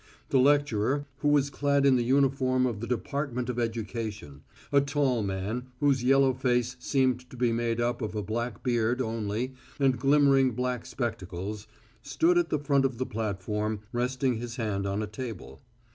The lecturer, who was clad in the uniform of the Department of Education a tall man whose yellow face seemed to be made up of a black beard only and glimmering black spectacles stood at the front of the platform resting his hand on a table.